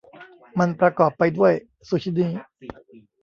มันประกอบไปด้วยซูชินี่